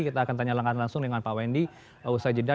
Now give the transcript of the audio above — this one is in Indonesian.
kita akan tanya langsung dengan pak wendy usra jeddah